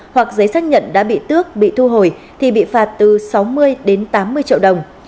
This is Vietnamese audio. hoặc giấy xác nhận đã bị tước bị thu hồi thì bị phạt từ sáu mươi đến tám mươi triệu đồng